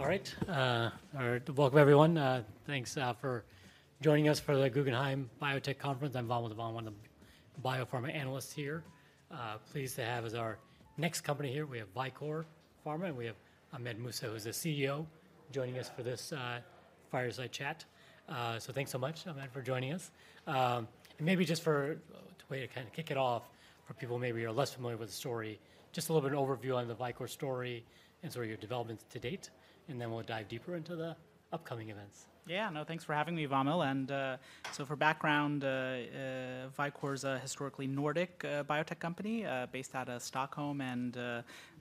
All right, all right. Welcome, everyone. Thanks for joining us for the Guggenheim Biotech Conference. I'm Vamil Divan, one of the biopharma analysts here. Pleased to have as our next company here, we have Vicore Pharma, and we have Ahmed Mousa, who's the CEO, joining us for this, fireside chat. So thanks so much, Ahmed, for joining us. Maybe just for a way to kind of kick it off, for people who maybe are less familiar with the story, just a little bit of overview on the Vicore story and sort of your developments to date, and then we'll dive deeper into the upcoming events. Yeah. No, thanks for having me, Vamil, and, so for background, Vicore's a historically Nordic, biotech company, based out of Stockholm, and,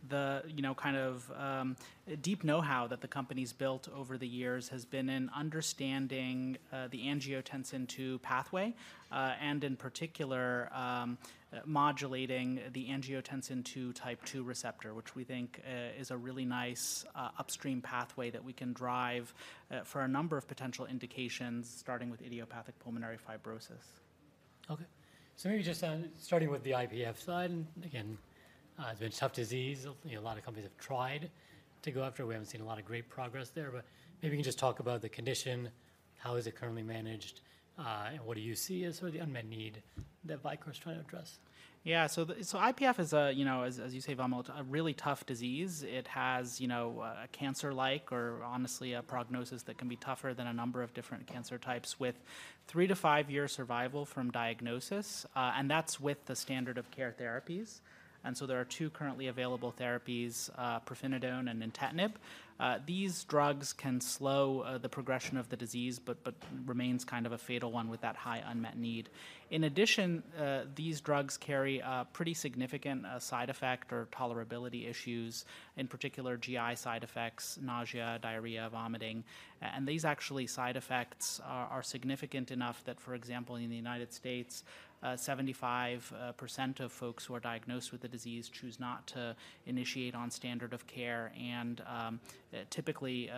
the, you know, kind of, deep know-how that the company's built over the years has been in understanding, the angiotensin II pathway, and in particular, modulating the angiotensin II type II receptor, which we think, is a really nice, upstream pathway that we can drive, for a number of potential indications, starting with idiopathic pulmonary fibrosis. Okay. So maybe just starting with the IPF side, and again, it's a tough disease. You know, a lot of companies have tried to go after it. We haven't seen a lot of great progress there, but maybe you can just talk about the condition, how is it currently managed, and what do you see as sort of the unmet need that Vicore is trying to address? Yeah, so IPF is a, you know, as you say, Vamil, a really tough disease. It has, you know, a cancer-like or honestly, a prognosis that can be tougher than a number of different cancer types, with three to five-year survival from diagnosis, and that's with the standard of care therapies. So there are two currently available therapies, pirfenidone and nintedanib. These drugs can slow the progression of the disease, but remains kind of a fatal one with that high unmet need. In addition, these drugs carry a pretty significant side effect or tolerability issues, in particular, GI side effects, nausea, diarrhea, vomiting. And these actually side effects are significant enough that, for example, in the United States, 75% of folks who are diagnosed with the disease choose not to initiate on standard of care and, typically,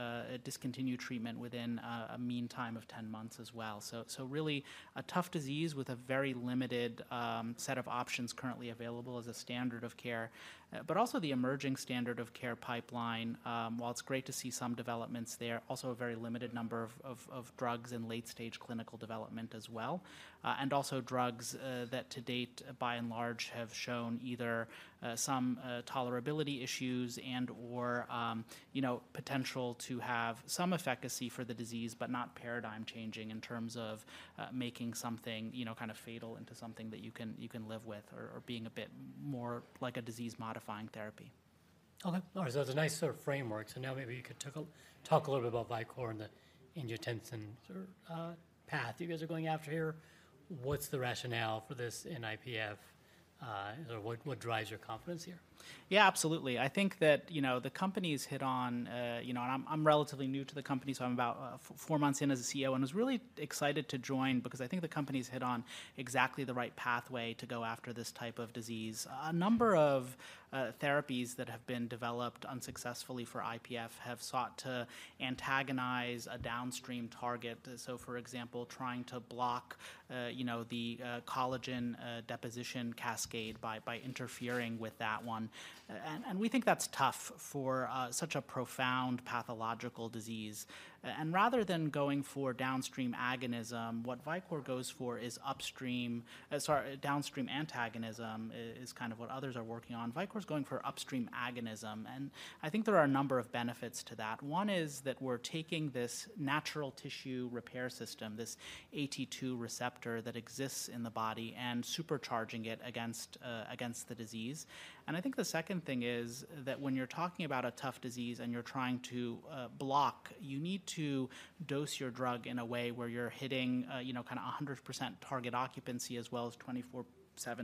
discontinue treatment within a mean time of 10 months as well. So really a tough disease with a very limited set of options currently available as a standard of care. But also the emerging standard of care pipeline, while it's great to see some developments there, also a very limited number of drugs in late-stage clinical development as well. And also drugs that to date, by and large, have shown either some tolerability issues and/or, you know, potential to have some efficacy for the disease, but not paradigm-changing in terms of making something, you know, kind of fatal into something that you can live with or being a bit more like a disease-modifying therapy. Okay. All right, so it's a nice sort of framework. So now maybe you could talk a little bit about Vicore and the angiotensin path you guys are going after here. What's the rationale for this in IPF? So what drives your confidence here? Yeah, absolutely. I think that, you know, the company's hit on. You know, and I'm relatively new to the company, so I'm about four months in as a CEO and was really excited to join because I think the company's hit on exactly the right pathway to go after this type of disease. A number of therapies that have been developed unsuccessfully for IPF have sought to antagonize a downstream target. So, for example, trying to block, you know, the collagen deposition cascade by interfering with that one. And we think that's tough for such a profound pathological disease. And rather than going for downstream agonism, what Vicore goes for is upstream, downstream antagonism is kind of what others are working on. Vicore's going for upstream agonism, and I think there are a number of benefits to that. One is that we're taking this natural tissue repair system, this AT2 receptor that exists in the body, and supercharging it against the disease. And I think the second thing is that when you're talking about a tough disease, and you're trying to block, you need to dose your drug in a way where you're hitting, you know, kinda 100% target occupancy, as well as 24/7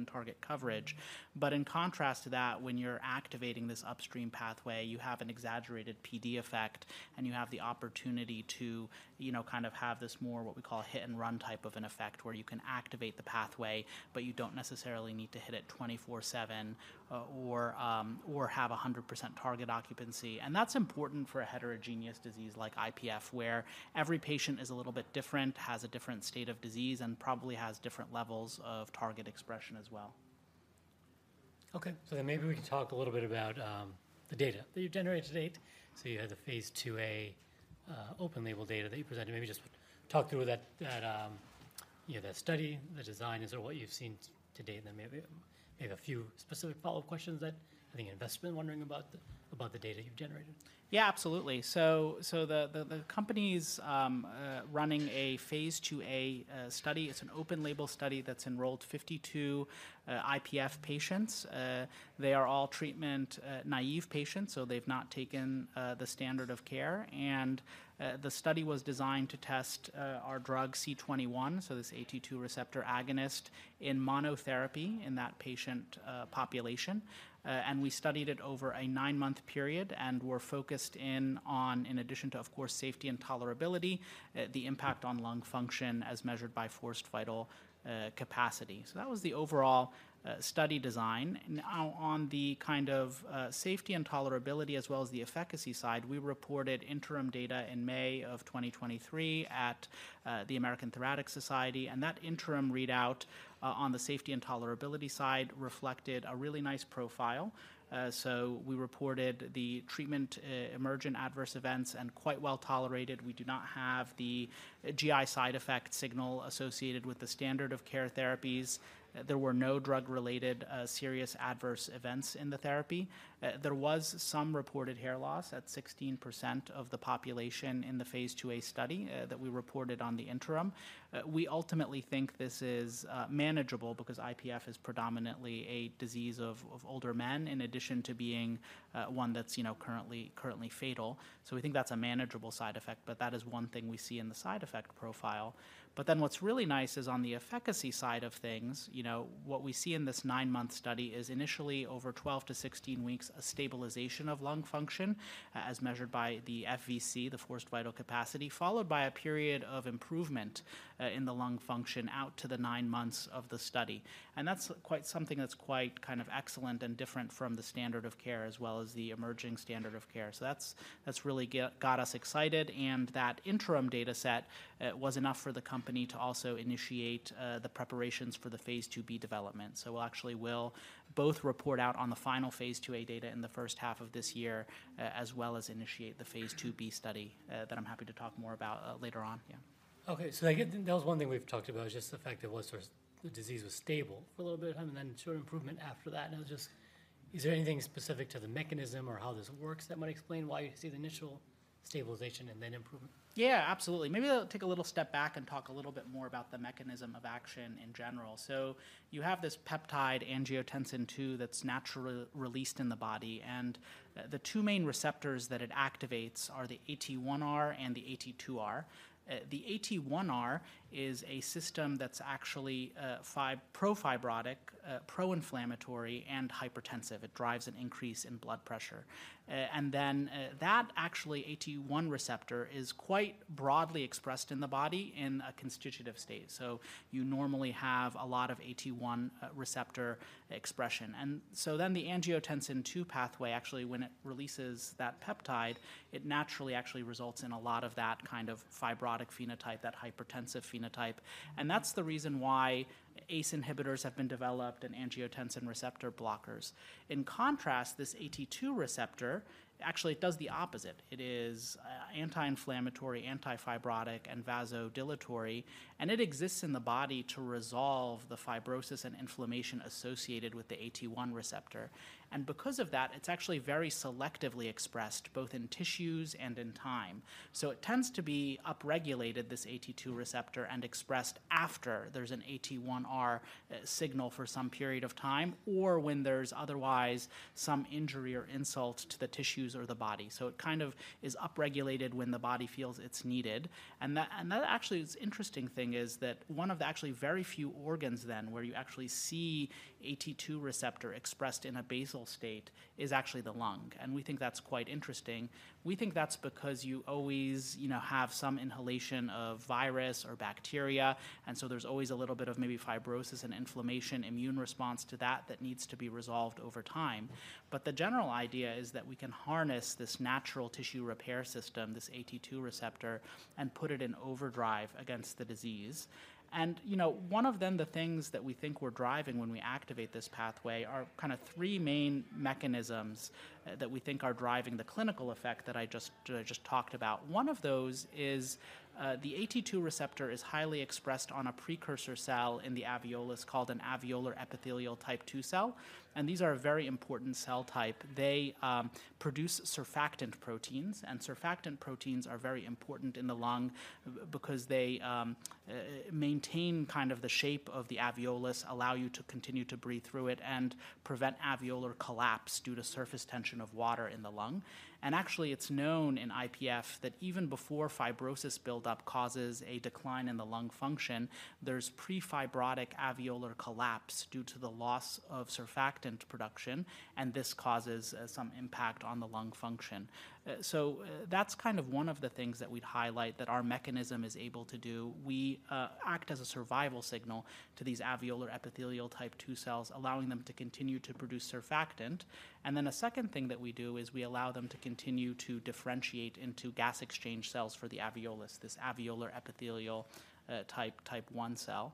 target coverage. But in contrast to that, when you're activating this upstream pathway, you have an exaggerated PD effect, and you have the opportunity to, you know, kind of have this more, what we call, hit-and-run type of an effect, where you can activate the pathway, but you don't necessarily need to hit it 24/7, or have 100% target occupancy. And that's important for a heterogeneous disease like IPF, where every patient is a little bit different, has a different state of disease, and probably has different levels of target expression as well. Okay. So then maybe we can talk a little bit about the data that you've generated to date. So you had the phase II-A open-label data that you presented. Maybe just talk through that, you know, the study, the design, and sort of what you've seen to date, and then maybe a few specific follow-up questions that I think investment wondering about the data you've generated. Yeah, absolutely. So the company's running a phase II-A study. It's an open-label study that's enrolled 52 IPF patients. They are all treatment naive patients, so they've not taken the standard of care. And the study was designed to test our drug C21, so this AT2 receptor agonist in monotherapy in that patient population. And we studied it over a 9-month period, and were focused in on, in addition to, of course, safety and tolerability, the impact on lung function as measured by forced vital capacity. So that was the overall study design. Now, on the kind of, safety and tolerability, as well as the efficacy side, we reported interim data in May 2023 at, the American Thoracic Society, and that interim readout, on the safety and tolerability side reflected a really nice profile. So we reported the treatment-emergent adverse events and quite well-tolerated. We do not have the GI side effect signal associated with the standard of care therapies. There were no drug-related, serious adverse events in the therapy. There was some reported hair loss at 16% of the population in the phase II-A study, that we reported on the interim. We ultimately think this is, manageable because IPF is predominantly a disease of older men, in addition to being, one that's, you know, currently fatal. So we think that's a manageable side effect, but that is one thing we see in the side effect profile. But then what's really nice is on the efficacy side of things, you know, what we see in this 9-month study is initially over 12-16 weeks, a stabilization of lung function, as measured by the FVC, the forced vital capacity, followed by a period of improvement in the lung function out to the nine months of the study. And that's quite something that's quite kind of excellent and different from the standard of care, as well as the emerging standard of care. So that's, that's really got us excited, and that interim data set was enough for the company to also initiate the preparations for the phase II-B development. We'll actually will both report out on the final phase II-A data in the first half of this year, as well as initiate the phase II-B study, that I'm happy to talk more about, later on. Yeah. Okay, so I get. That was one thing we've talked about, is just the fact that was first, the disease was stable for a little bit of time, and then showed improvement after that. Now, just is there anything specific to the mechanism or how this works that might explain why you see the initial stabilization and then improvement? Yeah, absolutely. Maybe I'll take a little step back and talk a little bit more about the mechanism of action in general. So you have this peptide, angiotensin II, that's naturally released in the body, and the two main receptors that it activates are the AT1R and the AT2R. The AT1R is a system that's actually pro-fibrotic, pro-inflammatory, and hypertensive. It drives an increase in blood pressure. And then that actually AT1 receptor is quite broadly expressed in the body in a constitutive state. So you normally have a lot of AT1 receptor expression. And so then the angiotensin II pathway, actually, when it releases that peptide, it naturally actually results in a lot of that kind of fibrotic phenotype, that hypertensive phenotype, and that's the reason why ACE inhibitors have been developed and angiotensin receptor blockers. In contrast, this AT2 receptor, actually, it does the opposite. It is anti-inflammatory, anti-fibrotic, and vasodilatory, and it exists in the body to resolve the fibrosis and inflammation associated with the AT1 receptor. And because of that, it's actually very selectively expressed, both in tissues and in time. So it tends to be upregulated, this AT2 receptor, and expressed after there's an AT1R signal for some period of time, or when there's otherwise some injury or insult to the tissues or the body. So it kind of is upregulated when the body feels it's needed. And that, and that actually is interesting thing is that one of the actually very few organs then, where you actually see AT2 receptor expressed in a basal state, is actually the lung, and we think that's quite interesting. We think that's because you always, you know, have some inhalation of virus or bacteria, and so there's always a little bit of maybe fibrosis and inflammation, immune response to that, that needs to be resolved over time. But the general idea is that we can harness this natural tissue repair system, this AT2 receptor, and put it in overdrive against the disease. And, you know, one of the things that we think we're driving when we activate this pathway are kind of three main mechanisms that we think are driving the clinical effect that I just talked about. One of those is the AT2 receptor is highly expressed on a precursor cell in the alveolus, called an alveolar epithelial type two cell, and these are a very important cell type. They produce surfactant proteins, and surfactant proteins are very important in the lung because they maintain kind of the shape of the alveolus, allow you to continue to breathe through it, and prevent alveolar collapse due to surface tension of water in the lung. And actually, it's known in IPF that even before fibrosis buildup causes a decline in the lung function, there's pre-fibrotic alveolar collapse due to the loss of surfactant production, and this causes some impact on the lung function. So, that's kind of one of the things that we'd highlight that our mechanism is able to do. We act as a survival signal to these alveolar epithelial type two cells, allowing them to continue to produce surfactant. And then a second thing that we do is we allow them to continue to differentiate into gas exchange cells for the alveolus, this alveolar epithelial type one cell.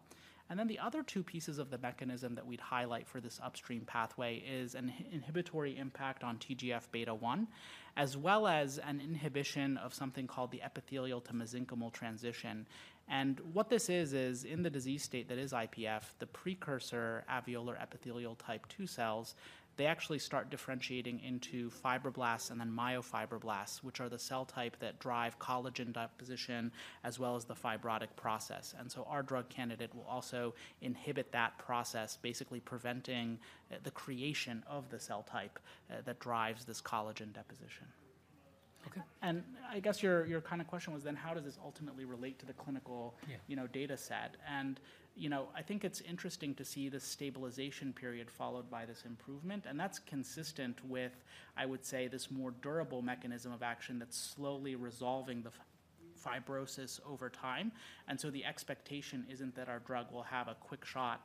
And then the other two pieces of the mechanism that we'd highlight for this upstream pathway is an inhibitory impact on TGF-beta1, as well as an inhibition of something called the epithelial to mesenchymal transition. And what this is, is in the disease state that is IPF, the precursor alveolar epithelial type two cells, they actually start differentiating into fibroblasts and then myofibroblasts, which are the cell type that drive collagen deposition, as well as the fibrotic process. And so our drug candidate will also inhibit that process, basically preventing the creation of the cell type that drives this collagen deposition. Okay, and I guess your kind of question was then how does this ultimately relate to the clinical- Yeah. You know, data set? And, you know, I think it's interesting to see this stabilization period followed by this improvement, and that's consistent with, I would say, this more durable mechanism of action that's slowly resolving the fibrosis over time. And so the expectation isn't that our drug will have a quick-shot,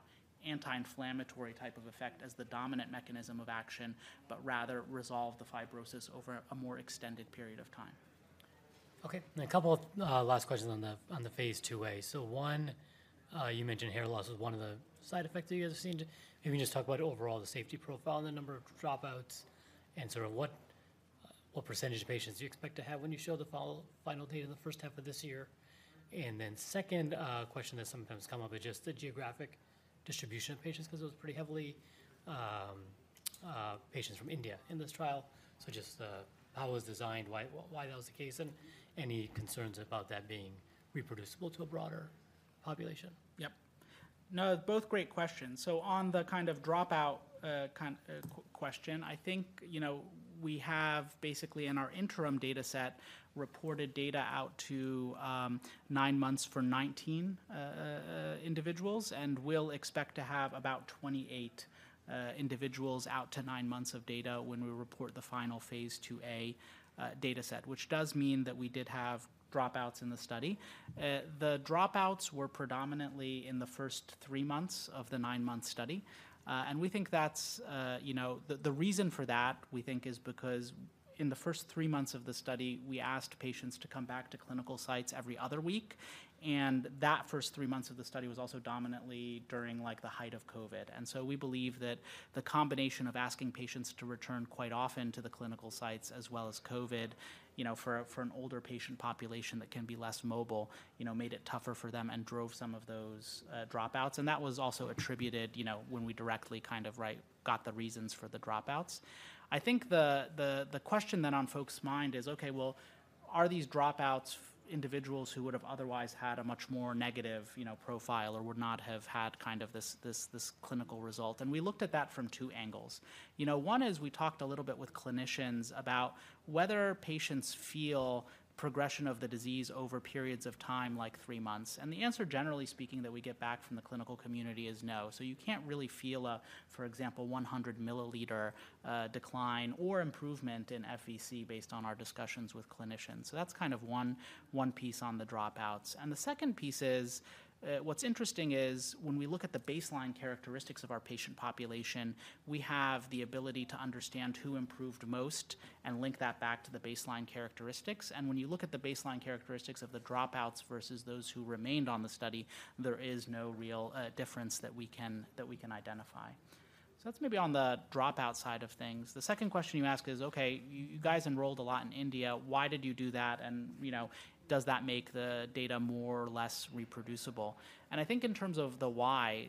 anti-inflammatory type of effect as the dominant mechanism of action, but rather resolve the fibrosis over a more extended period of time. Okay, and a couple of last questions on the phase II-A. So one, you mentioned hair loss was one of the side effects that you guys have seen. Maybe just talk about overall the safety profile and the number of dropouts, and sort of what percentage of patients do you expect to have when you show the final data in the first half of this year? And then second question that sometimes come up is just the geographic distribution of patients, because it was pretty heavily patients from India in this trial. So just how it was designed, why that was the case, and any concerns about that being reproducible to a broader population? Yep. No, both great questions. So on the kind of dropout question, I think, you know, we have basically in our interim data set, reported data out to nine months for 19 individuals, and we'll expect to have about 28 individuals out to nine months of data when we report the final phase II-A data set, which does mean that we did have dropouts in the study. The dropouts were predominantly in the first three months of the nine-month study. And we think that's, you know... The reason for that, we think, is because in the first three months of the study, we asked patients to come back to clinical sites every other week, and that first three months of the study was also dominantly during like the height of COVID. So we believe that the combination of asking patients to return quite often to the clinical sites as well as COVID, you know, for an older patient population that can be less mobile, you know, made it tougher for them and drove some of those dropouts. And that was also attributed, you know, when we directly kind of right got the reasons for the dropouts. I think the question then on folks' mind is, okay, well, are these dropouts individuals who would have otherwise had a much more negative, you know, profile or would not have had kind of this clinical result? We looked at that from two angles. You know, one is we talked a little bit with clinicians about whether patients feel progression of the disease over periods of time, like three months. The answer, generally speaking, that we get back from the clinical community is no. So you can't really feel a, for example, 100 milliliter decline or improvement in FVC based on our discussions with clinicians. So that's kind of one piece on the dropouts. And the second piece is, what's interesting is when we look at the baseline characteristics of our patient population, we have the ability to understand who improved most and link that back to the baseline characteristics. And when you look at the baseline characteristics of the dropouts versus those who remained on the study, there is no real difference that we can identify. So that's maybe on the dropout side of things. The second question you ask is, "Okay, you guys enrolled a lot in India. Why did you do that? You know, does that make the data more or less reproducible?" I think in terms of the why,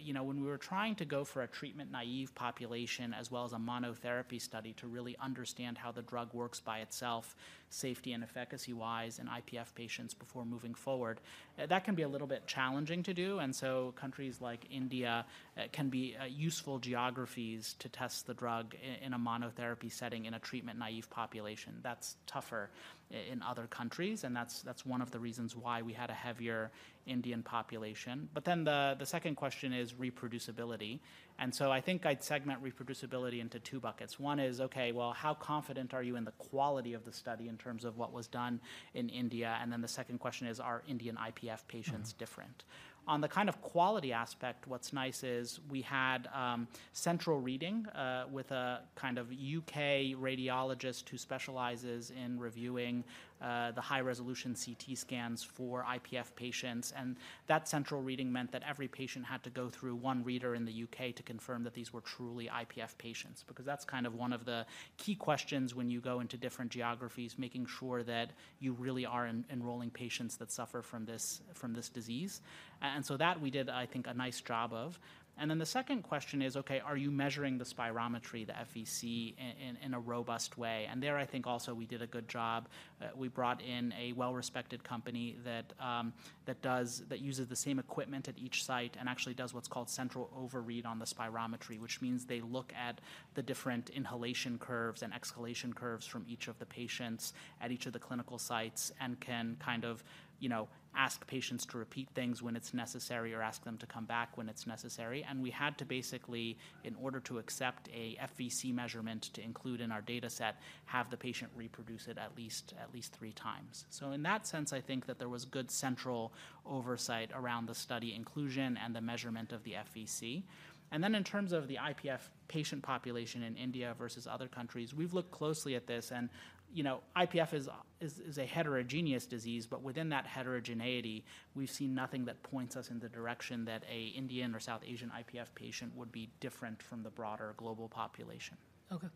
you know, when we were trying to go for a treatment-naive population, as well as a monotherapy study, to really understand how the drug works by itself, safety and efficacy-wise in IPF patients before moving forward, that can be a little bit challenging to do. So countries like India can be useful geographies to test the drug in a monotherapy setting in a treatment-naive population. That's tougher in other countries, and that's one of the reasons why we had a heavier Indian population. But then the second question is reproducibility. So I think I'd segment reproducibility into two buckets. One is, okay, well, how confident are you in the quality of the study in terms of what was done in India? And then the second question is, are Indian IPF patients different? Mm-hmm. On the kind of quality aspect, what's nice is we had central reading with a kind of U.K. radiologist who specializes in reviewing the high-resolution CT scans for IPF patients. That central reading meant that every patient had to go through one reader in the U.K. to confirm that these were truly IPF patients, because that's kind of one of the key questions when you go into different geographies, making sure that you really are enrolling patients that suffer from this, from this disease. So that we did, I think, a nice job of... Then the second question is, okay, are you measuring the spirometry, the FVC, in a robust way? And there, I think also we did a good job. We brought in a well-respected company that uses the same equipment at each site and actually does what's called central overread on the spirometry, which means they look at the different inhalation curves and exhalation curves from each of the patients at each of the clinical sites and can kind of, you know, ask patients to repeat things when it's necessary or ask them to come back when it's necessary. And we had to basically, in order to accept a FVC measurement to include in our data set, have the patient reproduce it at least three times. So in that sense, I think that there was good central oversight around the study inclusion and the measurement of the FVC. Then in terms of the IPF patient population in India versus other countries, we've looked closely at this and, you know, IPF is a heterogeneous disease, but within that heterogeneity, we've seen nothing that points us in the direction that an Indian or South Asian IPF patient would be different from the broader global population. Okay.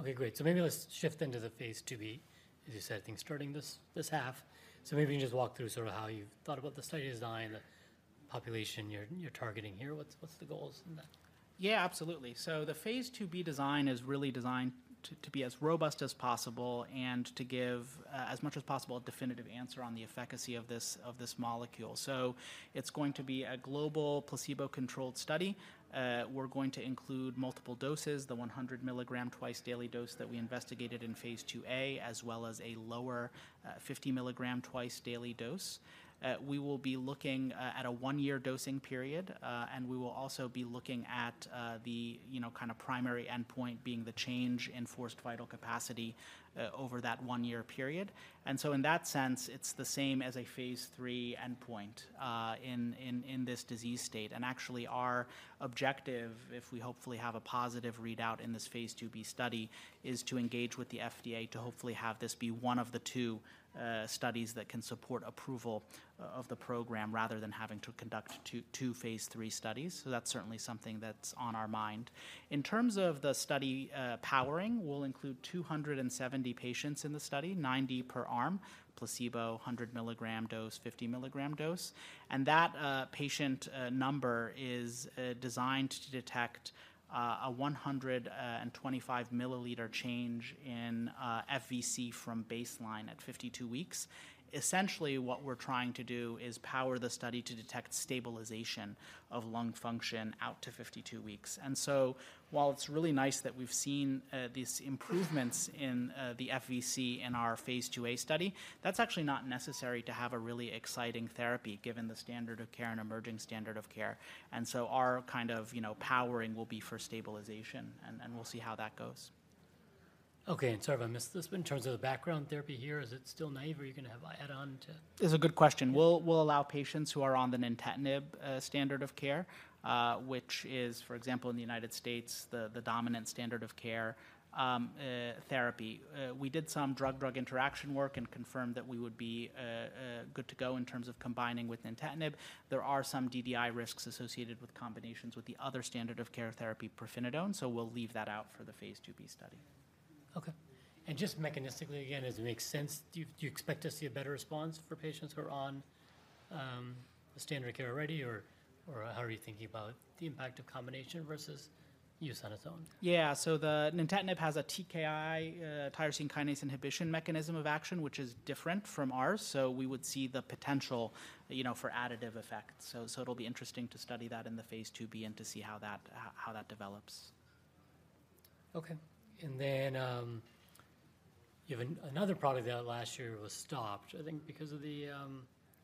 Okay, great. So maybe let's shift into the phase II-B, as you said, I think, starting this half. So maybe you can just walk through sort of how you've thought about the study design, the population you're targeting here? What's the goals in that? Yeah, absolutely. So the phase II-B design is really designed to be as robust as possible and to give as much as possible a definitive answer on the efficacy of this of this molecule. So it's going to be a global placebo-controlled study. We're going to include multiple doses, the 100 mg twice daily dose that we investigated in phase II-A, as well as a lower 50 mg twice daily dose. We will be looking at a one-year dosing period, and we will also be looking at the you know kind of primary endpoint being the change in forced vital capacity over that one-year period. And so in that sense, it's the same as a phase III endpoint in this disease state. Actually, our objective, if we hopefully have a positive readout in this phase II-B study, is to engage with the FDA to hopefully have this be one of the two studies that can support approval of the program, rather than having to conduct two phase III studies. So that's certainly something that's on our mind. In terms of the study powering, we'll include 270 patients in the study, 90 per arm, placebo, 100 mg dose, 50 mg dose. And that patient number is designed to detect a 125 mL change in FVC from baseline at 52 weeks. Essentially, what we're trying to do is power the study to detect stabilization of lung function out to 52 weeks. And so while it's really nice that we've seen these improvements in the FVC in our phase II-A study, that's actually not necessary to have a really exciting therapy, given the standard of care and emerging standard of care. And so our kind of, you know, powering will be for stabilization, and we'll see how that goes. Okay, and sorry if I missed this, but in terms of the background therapy here, is it still naive, or are you gonna have add-on to- It's a good question. We'll allow patients who are on the nintedanib standard of care, which is, for example, in the United States, the dominant standard of care therapy. We did some drug-drug interaction work and confirmed that we would be good to go in terms of combining with nintedanib. There are some DDI risks associated with combinations with the other standard of care therapy, pirfenidone, so we'll leave that out for the phase II-B study. Okay. And just mechanistically, again, does it make sense? Do you, do you expect to see a better response for patients who are on, the standard care already, or, or how are you thinking about the impact of combination versus use on its own? Yeah, so the nintedanib has a TKI, tyrosine kinase inhibition mechanism of action, which is different from ours, so we would see the potential, you know, for additive effects. So, it'll be interesting to study that in the phase II-B and to see how that develops. Okay. And then, you have another product that last year was stopped, I think because of the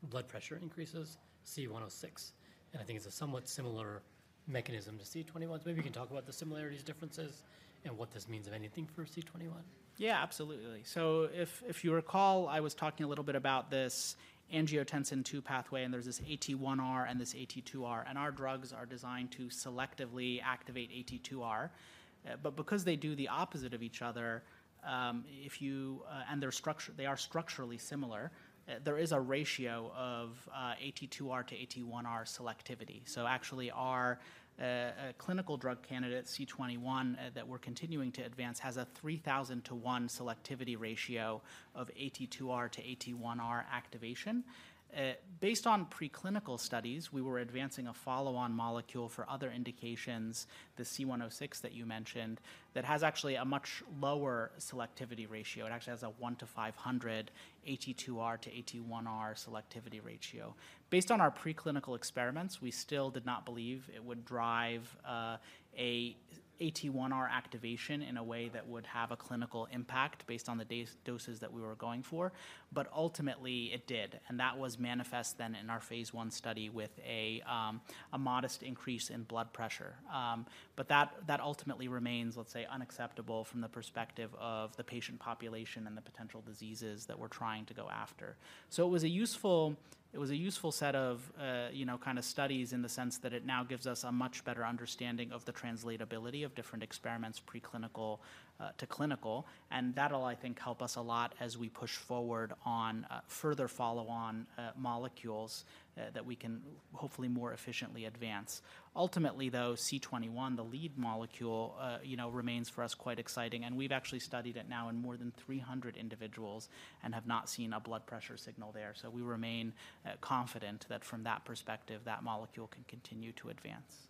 blood pressure increases, C106, and I think it's a somewhat similar mechanism to C21. So maybe you can talk about the similarities, differences, and what this means, if anything, for C21. Yeah, absolutely. So if you recall, I was talking a little bit about this angiotensin II pathway, and there's this AT1R and this AT2R, and our drugs are designed to selectively activate AT2R. But because they do the opposite of each other, they are structurally similar, there is a ratio of AT2R to AT1R selectivity. So actually, our clinical drug candidate, C21, that we're continuing to advance, has a 3,000:1 selectivity ratio of AT2R to AT1R activation. Based on preclinical studies, we were advancing a follow-on molecule for other indications, the C106 that you mentioned, that has actually a much lower selectivity ratio. It actually has a 1:500 AT2R to AT1R selectivity ratio. Based on our preclinical experiments, we still did not believe it would drive a AT1R activation in a way that would have a clinical impact, based on the dose-doses that we were going for, but ultimately, it did. And that was manifest then in our phase I study with a modest increase in blood pressure. But that ultimately remains, let's say, unacceptable from the perspective of the patient population and the potential diseases that we're trying to go after. So it was a useful, it was a useful set of, you know, kind of studies in the sense that it now gives us a much better understanding of the translatability of different experiments, preclinical to clinical, and that'll, I think, help us a lot as we push forward on further follow-on molecules that we can hopefully more efficiently advance. Ultimately, though, C21, the lead molecule, you know, remains for us quite exciting, and we've actually studied it now in more than 300 individuals and have not seen a blood pressure signal there. So we remain, confident that from that perspective, that molecule can continue to advance.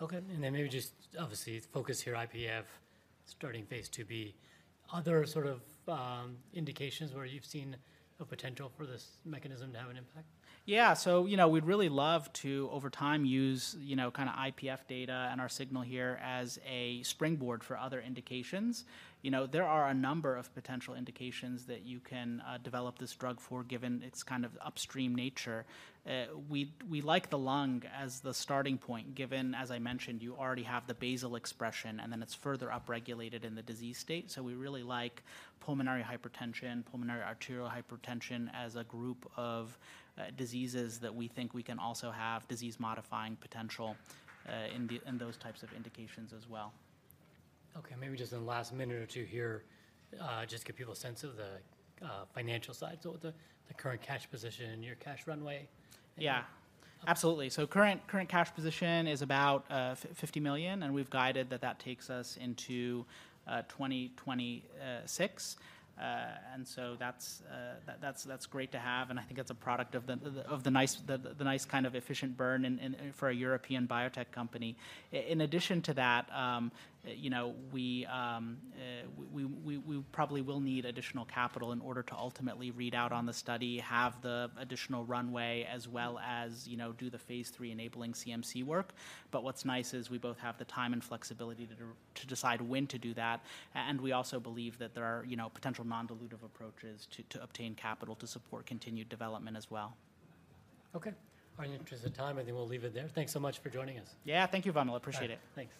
Okay, and then maybe just obviously, the focus here, IPF, starting phase II-B. Are there sort of, indications where you've seen a potential for this mechanism to have an impact? Yeah. So, you know, we'd really love to, over time, use, you know, kind of IPF data and our signal here as a springboard for other indications. You know, there are a number of potential indications that you can, develop this drug for, given its kind of upstream nature. We, we like the lung as the starting point, given, as I mentioned, you already have the basal expression, and then it's further upregulated in the disease state. So we really like pulmonary hypertension, pulmonary arterial hypertension, as a group of, diseases that we think we can also have disease-modifying potential, in the, in those types of indications as well. Okay, maybe just in the last minute or two here, just give people a sense of the financial side. So what the current cash position and your cash runway? Yeah, absolutely. So current cash position is about 50 million, and we've guided that that takes us into 2026. And so that's great to have, and I think it's a product of the nice kind of efficient burn in for a European biotech company. In addition to that, you know, we probably will need additional capital in order to ultimately read out on the study, have the additional runway, as well as, you know, do the phase III enabling CMC work. But what's nice is we both have the time and flexibility to decide when to do that, and we also believe that there are, you know, potential non-dilutive approaches to obtain capital to support continued development as well. Okay. Out of interest of time, I think we'll leave it there. Thanks so much for joining us. Yeah, thank you, Vamil. Appreciate it. Thanks.